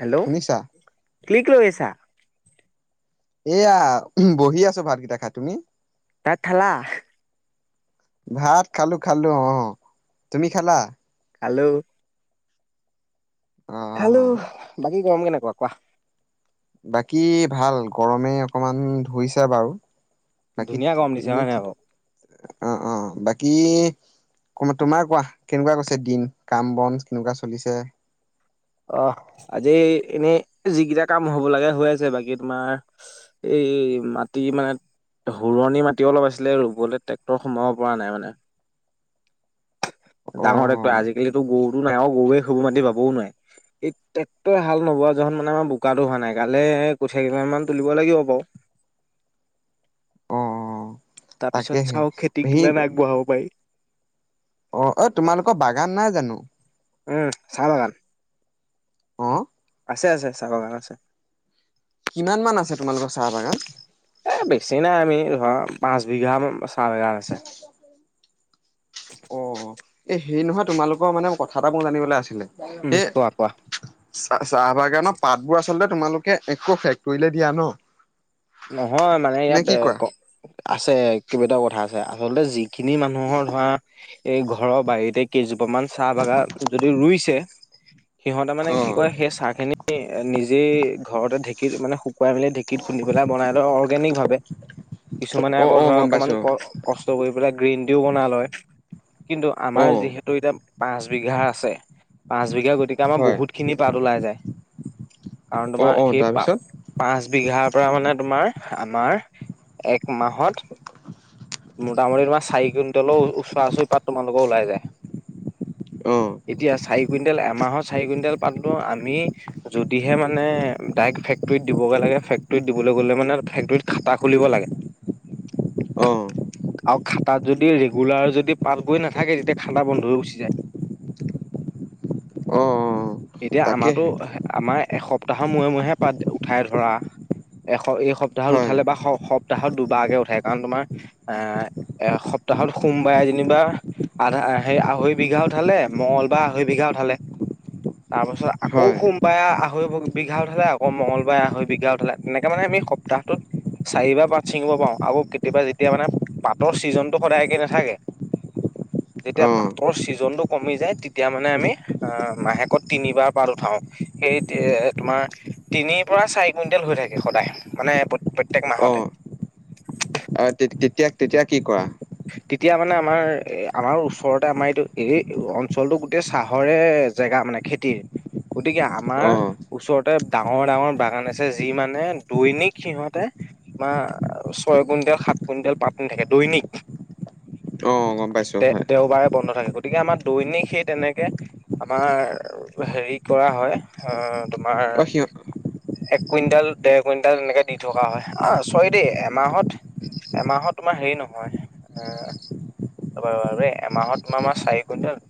Hello! শুনিছা কি কৰিছা? এয়া বহি আছোঁ ভাতকেইটা খাই তুমি? তাত খালা? ভাত খালোঁ, খালোঁ অ', তুমি খালা? খালোঁ। অ অ। খালোঁ! বাকী গৰম কেনেকুৱা কোৱা? বাকী ভাল, গৰমে অকমান ধুইছা বাৰু। বাকী ধুনীয়া গৰম দিছে হয় এনেই নাই ঠিক বাৰু? অ', অ', বাকী ক তোমাৰ কোৱা, কেনেকুৱা গৈছে দিন কাম-বন কেনেকুৱা চলিছে? অ' আজি এনেই যিকেইটা কাম হব লাগে হৈ আছে বাকী তোমাৰ। এই মাটি মানে। হুৰণি মাটিও অলপ আছিলে ৰুবলৈ ট্ৰেক্টৰ সোমাব পৰা নাই মানে। অ ডাঙৰ একো আজিকালিতো গৰুতো নাই গৰুৱে সুবু মাতি বাবও নোৱাই। ই ট্ৰেক্টৰে হাল নবোৱা যত মানে আমাৰ বোকা হোৱা নাই কালে কঠিয়া কিল মমান মান তুলিব লাগিব বাৰু। অ অ তাৰ পিছত তাকেহে চাওঁ খেতি সি কিমান আগবঢ়াব পাৰি। অ', অ' তোমালোকৰ বাগান নাই জানো? উম চাহ বাগান? অ আছে আছে চাবাগান আছে। কিমান মান আছে তোমালোকৰ চাহ বাগান? এ বেছি নাই আমি ধৰা পাঁচ বিঘা চাহ বিঘা আছে। হয়। অ' এই হে নহয় তোমালোকৰ মানে কথা এটা মোৰ জানিবলৈ আছিলে। উম এ কোৱা কোৱা। চাহ চাহ বাগানৰ পাতবোৰ আচল্ততে তোমালোকে একো ফেক্টৰীলৈ দিয়া ন? নহয় মানে নে ইয়াত কি কোৱা? ক আছে কেইবাটাও কথা আছে আচলতে যি খিনি মানুহৰ ধৰা এই ঘৰৰ বাৰীতে কেইজোপ মান চাহ বাগা যদি ৰুইছে সিহঁতে মানে কি অ', কয় সেই চাহ খিনি নিজেই ঘৰতে ঢেঁকীত মানে শুকুৱাই মেলি ঢেঁকত খুন্দি পেলাই বনাই লওঁ অৰ্গেনিক ভাৱাবে। কিছুমানে অ', আকৌ অ', ধৰা গম অকমান পাইছো ক কষ্ট কৰি পেলাই গ্ৰীণ টিও বনাই লয়। কিন্তু অ', আমাৰ অ', যিহেতু এতিয়া পাঁচ বিঘা আছে। পাঁচ বিঘা গতিকে আমাৰ হয় বহুত খিনি পাত ওলাই যায় কাৰণ অ', তোমাৰ অ', সেই তাৰপিছত পাত পাঁচ বিঘাৰ পৰা মানে তোমাৰ আমাৰ এক মাহত মোটামুটি তোমাৰ চাৰিুইণ্টল ওচ চচৰি পাত তোমালোকে ওলাই যায়। অ', এতিয়া চাৰি কুইণ্টেল এমাহৰ চাৰি কুইন্টেল পাত বোৰ আমি যদিহে মানে ডাইৰেক্ট ফেক্টৰত দিবগৈ লাগে ফেক্টৰীত দিবলৈ গলে মানে ফেক্টৰীত খাটা খুলিব লাগে। অ'। আৰু খাতাত যদি ৰেগুলাৰ যদি পাত গৈ নাথাকে তেতিয়া খাাতা বন্ধ হৈ গুচি যায়। অ', অ'। এতিয়া আমাৰো তাকেহে আমাৰ এসপ্তাহৰ মূৰে মূৰেহে পাত উঠাই ধৰা। এশ এই সপ্তাহত হয়, উঠালে বা সপ্তাহত দুবাৰকে উঠায় কাৰণ তোমাৰ আহ এ সপ্তাহত সোমবাৰে যেনিবা আধা সেই আঢ়ৈ বিঘা উঠালে মঙল বাাৰ আঢ়ৈ বিঘা উঠালে। তাৰ পাছত আকৌ হয় সোমবাৰে আৰৈ বিঘা উঠালে আকৌ মঙগলবাৰে আৰৈ বিঘা উঠালে। এনেকে মানে আমি সপ্তাহটোত চাৰিব পাত ছিঙিব পাৰওঁ আকৌ কেতিয়াবা যেতিয়া মানে পাতৰ ছিজনতটো সদায় একে নাথাকে। যেতিয়া অ', পাতৰ ছিজনটো কমি যায় তেতিয়া মানে আমি আহ মাহেকত তিনিবাৰ পাত উঠাও সেই তোমাৰ তিনিৰ পৰা চাৰি কুইণ্টেল হৈ থাকে সদায় মানে প্ৰত্যয়েক মাহতে। অ' তেতিয়া তেতিয়া কি কৰা? তেতিয়া মানে আমাৰ আমাৰ ওচৰতে আমাৰ এইটো এই অঞ্চলটো গোটেই চাহৰে জেগা মানে খেতিৰ গতিকে আমাৰ অ', ওচৰতে ডাঙৰ ডাঙৰ বাগান আছে যি মানে দৈনিক সিহতে ছয় কুইণ্টেল সাত কুইণ্টেল পাতনি থাকে দৈনিক। অ', গম পাইছে। তে দেওবাৰে বন্ধ থাকে গতিকে আমাৰ দৈনিক সেই তেনেকে আমাৰ হেৰি কৰা হয় আহ তোমাৰ অ', সিহ এক কুইণ্টেল ডৰ কুইণ্টেল এনেকে দি থকা হয় আহ চৰি দেই এমাহত এমাহত তোমাৰ হেৰি নহয়। অ' বাৰু বাৰু এমাহত তোমাৰ মাৰ চাৰি কুইণ্টেল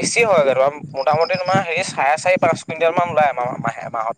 বেছি হয়গৈ মোটামুটি তোমাৰ হেৰি চাৰে চাৰি পাঁচ কুইণ্টেল মান ওলায় মাহে মাহত।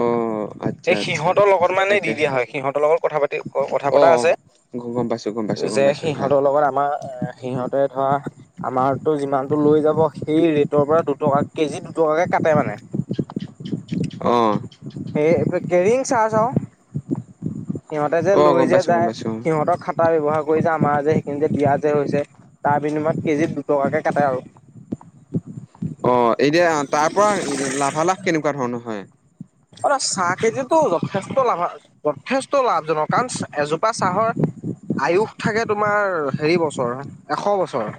অ', আচ্ছা এই আচ্ছা সিহঁতৰ লগত মানে দি তাকেহে দিয়া হয় সিহঁতৰ লগত কথা পাতি কথা পতা অ', আছে। গম পাইছো গম পাইছো গম যে পাইছো হয় সিহঁতৰ লগত আমাৰ আহ সিহঁতে ধৰা আমাৰতো যিমানতটো লৈ যাব সেই ৰেটৰ পৰা দুটকা কেজি দুটকাকে কাটে মানে। অ' কেৰিয়ং চাৰ্জ আৰু সিহঁতে যে অ', গম লৈ যে পাইছো গম যায় পাইছো সিহঁতৰ কটা ব্যৱহাৰ কৰি যে আমাৰ যে সেইখিনি যে দিয়া যে হৈছে তাৰ বিনিময়ত কেজিত দুটকাকৈ কাটে আৰু। অ' এতিয়া তাৰ পৰা লাভালাভ কেনেকুৱা ধৰণৰ হয়? অ' চাহ কেজিতো যথেষ্ট লাভ যথেষ্ট লাভজনক কাৰণ এজোপা চাহৰ আয়ুস থাকে তোমাৰ হেৰি বছৰ এশ বছৰ।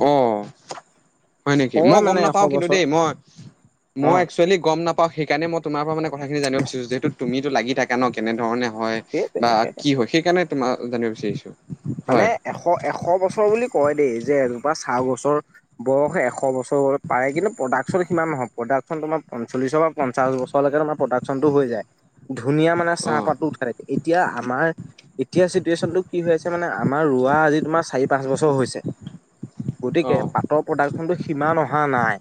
অ' হয় নেকি কয় মই গম মানে এশ নাপাও কিন্তু বছৰ দেই মই অ মই এক্চুৱেলি গম নাপাওঁ সেইকাৰণে মই তোমাৰ পৰা মানে কথা খিনি জানিব বিচাৰো যিহেতু তুমিটো লাগি থাকা ন কেনেধৰণে হয় সেইটোৱে বা কি হয় সেইকাৰণে তোম জানিব বিচাৰিছো। মানে এশ এশ বছৰ বুলি কয় দেই যে এজোপা চাহ গছৰ বয়স এশ বছৰ পাৰে কিন্তু প্ৰডাকশ্যন সিমান নহয় প্ৰডাকশ্যন তোমাৰ পঞ্চল্লিছৰ পৰা পঞ্চাশ বছৰলৈকে তোমাৰ প্ৰডাকশনটো হৈ যায়। ধুনীয়া মানে অ', চাহপাতটো উ খাই থাকে এতিয়া আমাৰ এতিয়া চিটুৱেশ্যন টো কি হৈ আছে। মানে আমাৰ ৰোৱা আজি তোমাৰ চাৰি পাঁচ বছৰ হৈছে। গতিকে অ', পাটৰ প্ৰডাক্ট খনো সিমান অহা নাই।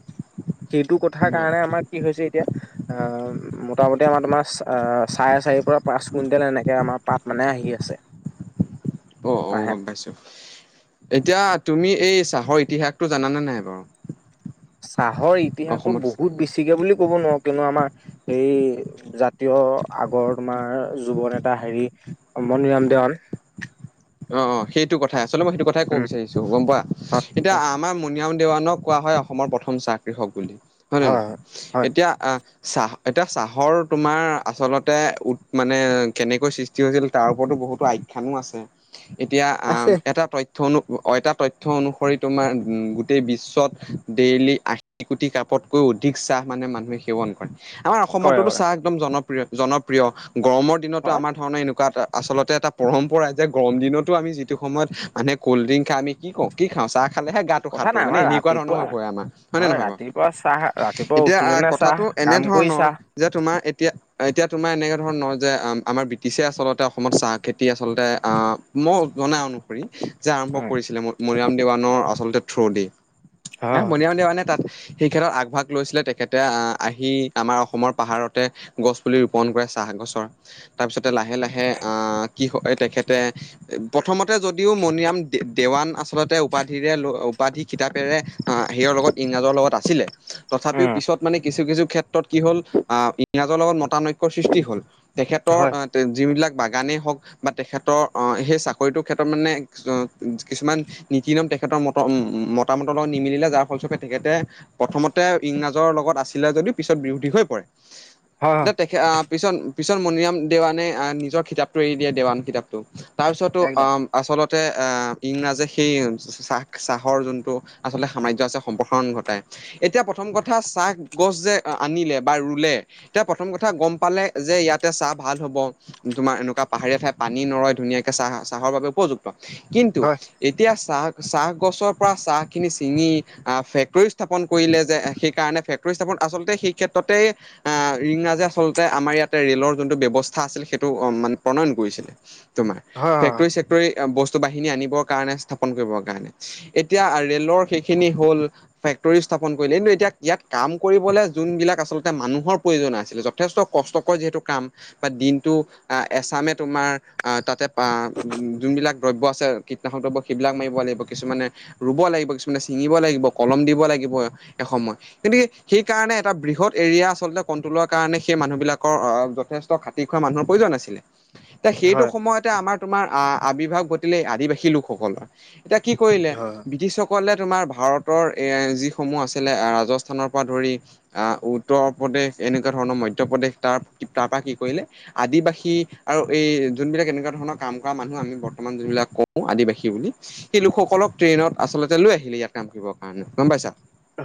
সেইটো কথাৰ নাই কাৰণে আমাৰ কি হৈছে এতিয়া মোটামুটি আমাৰ তোমাৰ চাৰে চাৰিৰ পৰা পাঁচ কুইণ্টেল এনেকৈ আমাৰ পাত মানে আহি আছে। অ', অ', মাহে গম এতিয়া তুমি এই চাহৰ ইতিহাসটো জানে নাই বাৰু? চাহৰ ইতিহাসতো অসমত? বহুত বেছিকে বুলি ক'ব নোৱাৰো কনো আমাৰ সেই জাতীয় আগৰ তোমাৰ যুৱন নেতা হেৰি মনৰাম দেৱান। অ' অ' সেইটো কথাই আচলতে মই সেইটো কথাই কব উম বিচাৰিছো গম পোৱা হয় এতিয়া হয় আমাৰ ও দেৱানক কোৱা হয় অসমৰ প্ৰথম চাহ কৃষক বুলি হয় নয় নহয় এতিয়া আহ চাহ এতিয়া চাহৰ তোমাৰ আচলতে উ মানে কেনেকৈৃষ্ট হৈছিল তাৰ ওৰতো বহুতো আখ্যয়ানো আছে এতিয়া আছে এটা তথ অটা তথ্য অনুসৰি তোমাৰ উ গোটেই বিশ্বত ডেইলি কট কুটি কাপতকৈ অধিক চাহ মানে মানুহে সেৱন কৰে। আমাৰ কৰে অসমতোতো কৰে চাহ একদম জনপ্ৰিয় জনপ্ৰিয় গৰমৰ দিনতো হয় আমাৰ ধৰণৰ এনেকুৱা এটা আচলতে এটা পৰম্পৰা যে গৰম দিনতো আমি যিটো সময়ত মানে কল্ড ড্ৰংক খাই আমি কি কওঁ কি খাওঁ চাহ খালেহে গাত কথা ত' পৰি নাই মানে আমাৰ এনেকুৱা ধৰণৰ ৰাতিপুৱা হৈ পৰে আমাৰ হয় নে নহয় বাৰু ৰাতিপুৱা চাহ ৰাতিপুৱা এতিয়া উঠোতেনে চাহ কথাটো কাম কৰি এনেধৰণৰ চাহ যে তোমাৰ এতিয়া এতিয়া তোমাৰ এনেকে ধৰণ যে আমাৰ ব্ৰিটিছে আচলতে অসমত চাহ খেতি আচলতে অ' মই জনা অনুসৰি যে আৰম্ভ উম কৰিছিলে। মনৰাম দেৱানৰ আচলতে থ্ৰ' দি হা হয় হয় মনৰাম দেৱানে তাত সেই ক্ষেত্ৰত আগভাগ লৈছিলে তেখেতে আহ আহি আমাৰ অসমৰ পাহাৰতে গছ পুলি ৰোপন কৰে চাহ গছৰ তাৰপিছতে লাহে লাহে আহ কি হয় তেখেত তে প্ৰথমতে যদিও মণিৰাম দে দেৱান আচল্ততে উপাধিৰে উপাধি খিতাপেৰে সেইৰ লগত ইংৰাজৰ লগত আছিলে তথাপিও উম পিছত মানে কিছু কিছু ক্ষেত্ৰত কি হ'ল আহ ইংৰাজৰ লগত মতানৈক্যয়ৰ সৃষ্টি হল। তেখেতৰ হয় যিবিলাক বাগানেই হওক বা তেখেত সেই চাকৰিটোৰ ক্ষেত্ৰত মানে কিছুমান নীতি নিয়ম তেখেতৰ মত উ মতামতৰ লগত নিমিলে যাৰ ফলসকে তেখেতে প্ৰথমতে ইংৰাজৰ লগত আছিলে যদিও পিছত বিৰোধী হৈ পৰে। হয় হয় এয়া তেখেত আহ পিছত পিছত মনিৰাম দেৱানে আহ নিজৰ কিতাপটো এৰি দিয়ে দেৱানৰ কিতাপটো। তাৰপিছতো একদম আচলতে ইংৰাজী সেইমছ চাহ চাহৰ যোনটো আচলতে সাম্ৰ্ আছে সম্প্ৰসাৰণ ঘটাই। এতিয়া প্ৰথম কথা চাহ গছ যে আনিলে বা ৰুলে এতিয়া প্ৰথম কথা গম পালে যে ইয়াতে চাহ ভাল হব তোমাৰ এনেকুৱা পাহাৰাৰে ফাই পানী পানী নয় ধুনীয়াকে চাহ চাহৰ বাবে উপযুক্ত কিন্তু হয় এতিয়া চাহ চাহ গছৰ পৰা চাহখিনি ছিঙি আহ ফেক্টৰীও স্থাপন কৰিলে যে সেইকাৰণে ফেক্টৰী স্থাপন আচলতে সেই ক্ষেত্ৰতে আহ ৰিংৰাজে আচলতে আমাৰ ইয়াতে ৰেলৰ যোনটো ব্যৱস্থা আছিল সেইটো মান প্ৰণয়ন কৰিছিলে। তোমাৰ হয় ফেক্টৰী চেক্টৰী বস্তু বাহিনী আনিবৰ কাৰণে স্থাপন কৰিবৰ কাৰণে। এতিয়া ৰেলৰ সেইখিনি হ'ল। ফেক্টৰীও স্থাপন কৰিলে কিন্তু এতিয়া ইয়াত কাম কৰিবলৈ যোনবিলাক আচলতে মানুহৰ প্ৰয়োজন আছিলে। যথেষ্ট কষ্টকৰ যিহেতু কাম বা দিনটো এচামে তোমাৰ তাতে যোনবিলাক দ্ৰব্য আছে কীটনাশক দ্ৰব্য সেইবিলাক মাৰিব লাগিব কিছুমানে ৰুব লাগিব কিছুমানে ছিঙিব লাগিব কলম দিব লাগিব এসময়। কিন্তকে সেই কাৰণে এটা বৃহৎ এৰিয়া আচলতে কন্ট্ৰলৰ কাৰণে সেই মানুহ বিিলাকৰ আহ যথেষ্ট খা খোৱা মানুহৰ প্ৰয়জন আছিলে। এ সেইটো হয় সময়তে আমাৰ তোমাৰ আহ আবিৰ্ভাৱ ঘটিলে আদিবাসী লোকসকলৰ। এতিয়া কি কৰিলে হয় ব্ৰিটিছক ক'লে তোমাৰ ভাৰতৰ যিসমূহ আছিলে ৰাজস্থানৰ পৰা ধৰি আহ উত্তৰ প্ৰদেশ এনেকুৱা ধৰণৰ মধ্য প্ৰদেশ তাৰ তাৰ পৰা কি কৰিলে আদিবাসী আৰু এই যোনবিলাক এনেকুৱা ধৰণৰ কাম কৰা মানুহ আমি বৰ্তমান যোনবিলাক কওঁ আদিবাসী বুলি সেই লোকসকলক ট্ৰেইনত আচলতে লৈ আহিলে ইয়াত কাম কৰিবৰ কাৰণে গম পাইছা।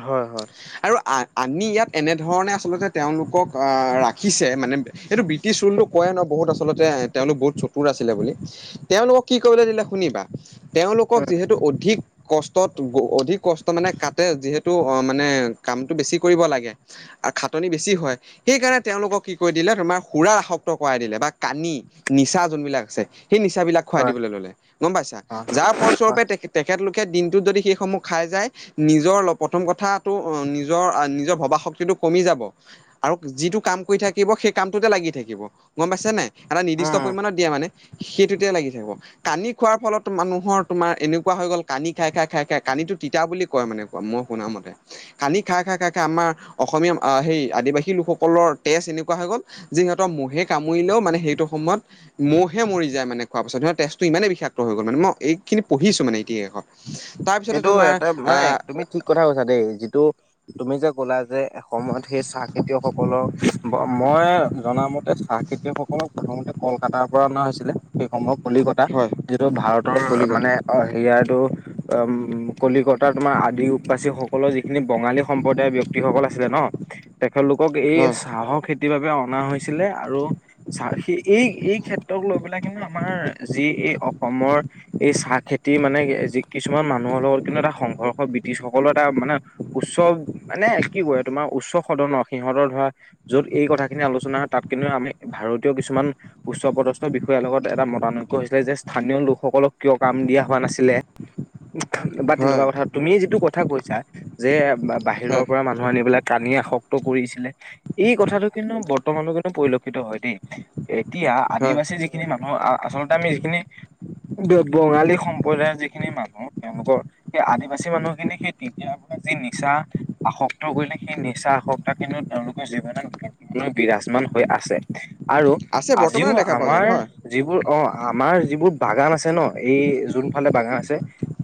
হয় হয়। আৰু আ আনি ইয়াত এনেধৰণে আচলতে তেওঁলোকক আহ ৰাখিছে মানে সটো ব্ৰটি লটো কয় নহ বহুত আছে। আচলতে এ তেওঁলোক বহুত চতুৰ আছিলে বুলি তেওঁলোকক কি কৰিবলে দিলে শুনিবা। তেওঁলোকক যিহেতু অধিক কষ্টত অধিক কষ্ট মানে কাটতে যিহেতু অ মানে কামটো বেছি কৰিব লাগে। আৰু খাটনি বেছি হয় সেইকাৰণে তেওঁলোকক কি ক কৰি দিলে তোমাৰ সুৰাৰ আসক্ত কৰাই দিলে বা কানি নিচা যোনবিলাক আছে সেই নিচাবিলাক হয় খুৱাই হয় হয় দিবলৈ ললে গম পাইছা অ যাৰ স হয় ফলস্বৰূপে তে তেখেতলোকে দিনটোত যদি সেইসমূহ খাই যায় নিজৰ প্ৰথম কথাতটো নিজৰ নিজৰ ভবা শক্তিটো কমি যাব। আৰু যিটো কাম কৰি থাকিব সেই কামটোতে লাগি থাকিব গম পাইছে নাই এটা নিৰ্দিষ্ট উম পৰিমামানণত দিয়া মানে। সেইটোতিয়া লাগি থাকিব। কানি খোৱাৰ ফলত মানুহৰ তোমাৰ এনেকুৱা হৈ গ'ল কানি খাই খাই খাই খাই কানিটো তিতা বুলি কয় মানে কোৱা মই শুনাম মতে। কান্দি খাই খাই খাই খাই আমাৰ অসমীয়া সেই আদিবাসী লোকসকলৰ তেজ এনেকুৱা হৈ গ'ল। যিহঁতৰ মহে কামুৰিলেও মানে সেইটো সময়ত মহহে মৰি যায় মানে খোৱাৰ পাছত স তেজ টো ইমানেই বিষাক্ত হৈ গ'ল মে মই এইখিনিঢ়িছো মানে ইতিহাসত। তাৰপিছতে এইটো তোমাৰ এটা মানে আহ তুমি ঠিক কথা কৈছা দেই যিটো তুমি যে ক'লা যে এসময়ত সেই চাহ খেতিয়কসকলক মই জামত চাহ খেতিয়কসকলক প্ৰথমতে কলকাতাৰ পৰা অনা হৈছিলে সেই সময়ত লিকতা হয় যিটো ভাৰতৰ কলিকতা মানে অ হেৰিয়াৰ এইটো অ' উ কলিকতাৰ তোমাৰ আদিবাসীসকলৰ যিখিনি বঙালী সম্প্ৰদায়ৰ ব্য্ক্তিসকল আছিলে ন [unintelligible] তেখেতলোকক এই হয় চাহৰ খেতিৰ বাবে অনা হৈছিলে আৰু চা সেই এই, এই ক্ষেত্ৰক লৈ পেলাই কিন্তু আমাৰ যি এই অসমৰ এই চাহ খেতি মানে যি কিছুমান মানুহৰ লগত কিন্তু এটা সংঘৰ্ষ ব্ৰিটিছ সকলৰ এটা মানে উচ্চ মানে কি কয় তোমাৰ উচ্চ সদনত সিহঁতৰ ধৰা য'ত এই কথাখিনি আলোচনা হয়, তাত কিন্তু আমি ভাৰতীয় কিছুমান উচ্চ পদস্থ বিষয়াৰ লগত এটা মতানৈক্য হৈছিলে যে স্থানীয় লোকসকলক কিয় কাম দিয়া হোৱা নাছিলে! বা হয় তেনেকুৱা কথা তুমি যিটো কথা কৈছা যে, হয় বাহিৰৰ পৰা মানুহ মানু্হ আনি পেলাই কানি আসক্ত কৰিছিলে। এই কথাটো কিন্তু বৰ্তমানো কিন্তু পৰিলক্ষিত হয়, দেই। এতিয়া হয় আদিবাসী যিখি যিখিনি মানুহ আ-আচলতে আমি যিখিনি বঙালী সম্প্ৰদায়ৰ যিখিনি খিনি মানুহ তেওঁলোকৰ সেই আদিবাসী মানুহখিনি সেই তেতিয়াৰ পৰা যি নিচা আসক্ত কৰিলে, সেই নিচা আসক্ত কিন্তু তেওঁলোকৰ জীৱনত বিৰাজমান হৈ আছে, আৰু আছে আজিও বৰ্তমানো দেখা পোৱা আমাৰ যায় হয় যিবোৰ অ', আমাৰ যিবোৰ বাগান আছে ন, এই যোনফালে বাগান আছে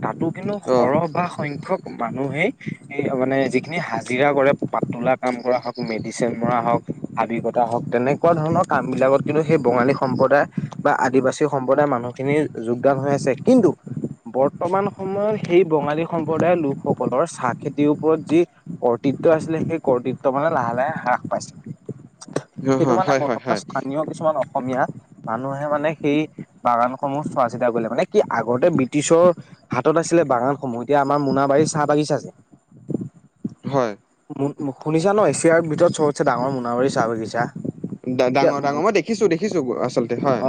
তাতো কিন্তু অ সৰহ বা সংখ্যাক মানুহেই সেইটোয়ে মানে যিখিনি হাজিৰা কৰে পাতুলা কাম কৰা হওঁক, মেডিচিন মৰা হওঁক হাবিকটা হওঁক তেনেকুৱা ধৰণৰ কামবিলাকত কিন্তু সেই বঙালী সম্প্ৰদায়ে বা আদিবাসী সম্প্ৰদায়ৰ মানুহখিনিৰ যোগদান হৈ আছে। কিন্তু বৰ্তমান সময়ত সেই বঙালী সম্প্ৰদায়ৰ লোকসকলৰ চাহ খেতিৰ ওপৰত যি কৰ্তৃত্ব আছিলে, সেই কৰ্তৃত্ব মানে লাহে, লাহে হ্ৰাস পাইছে। অ', সেইটো হয় মানে হয় হয় বৰ্তমান হয় স্থানীয় কিছুমান অসমীয়া মানুহে মানে সেই বাগানসমূহ চোৱা চিতা কৰিলে মানে কি আগতে বৃট্ৰিছৰ হাতত আছিলে বাগানসমূহ। এতিয়া আমাৰ মোনাবাৰীৰ চাহ বাগিচা যে হয় শুনিছা ন, এছিয়াৰ ভিতৰত চবতে ডাঙৰ মোনাবাৰী চাহ বাগিছা! ডাঙৰ, ডাঙৰ মই দেখিছোঁ, দেখিছোঁ আচলতে হয়।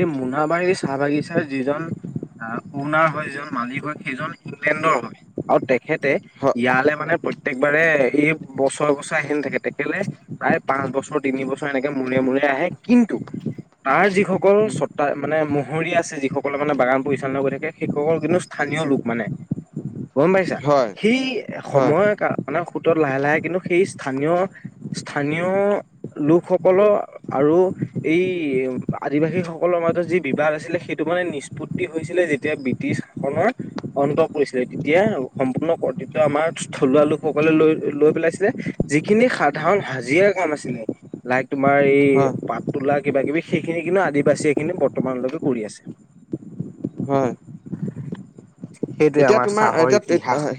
এই মোনাবাৰী চাহ বাগিচাৰ যিজন আহ, মোনাবাৰি যিজন মালিক হয়, সেইজন ইংলেণ্ডৰ হয়, আৰু তেখেতে হয় ইয়ালে মানে প্ৰত্যেকবাৰে এই বছৰে, বছৰে আহি নথাকে তেখেতে প্ৰায় পাঁচ বছৰ তিন বছৰ এনেকে মূৰে, মূৰে আহে, কিন্তু তাৰ যিসকল চতা, মানে মহুৰি আছে যিসকলে মানে বাগান পৰি চালনা কৰি থাকে, সেইসকল কিন্তু স্থানীয়লোক মানে গম পাইছা! হয় সেই হয় সময় মানে সোঁতত লাহে, লাহে কিন্তু সেই স্থানীয়, স্থানীয় লোকসকলৰ আৰু এই আদিবাসী সকলৰ মাজত যি বিবাদ আছিলে, সেইটো মানে নিস্পুত হৈছিলে যেতিয়া ব্ৰিটিছ শাসনৰ অন্ত পৰিছিলে, তেতিয়া সম্পূৰ্ণ কৰ্তৃত্য আমাৰ থলুৱা লোকসকলে লৈ-লৈ পেলাইছিলে। যিখিনি সাধাৰণ হাজিৰা কাম আছিলে লাইক, তোমাৰ এই হয় পাত তোলা কিবা কিবি সেইখিনি কিন্তু আদিবাসীয়ে কিন্তু বৰ্তমানলৈকে কৰি আছে। হয়। সেইটোৱে এতিয়া আমাৰ তোমাৰ, চাহৰ এতিয়া ইতিহাস [unintelligible] হয়।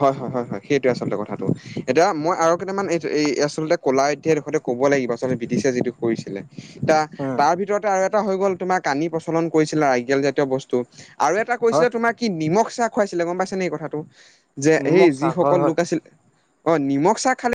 হয়, হয়, হয়, সেইটোৱে আচলতে কথাটো। এতিয়া মই আৰু কেইটামান এই আচলতে কলা [unintelligible] ক'ব লাগিব, আচলতে ব্ৰিটিছে যিটো কৰিছিলে। উম তা-তাৰ ভিতৰতে আৰু এটা হৈ গ'ল তোমাৰ কানি প্ৰচলন কৰিছিলে আইকেল জাতীয় বস্তু। আৰু এটা হয় কৈছিলে তোমাৰ কি নিমখ চাহ খুৱাইছিলে গম পাইছে নে এই কথাটো! যে এই নিমখ চাহ হয় হয় যিসকললোক আছিল অ', নিমখ চাহ খালে